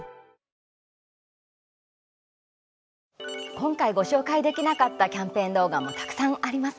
今回ご紹介できなかったキャンペーン動画もたくさんあります。